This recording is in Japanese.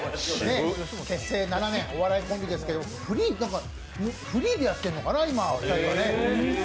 結成７年、お笑いコンビですけどフリーでやってんのかな、今２人はね。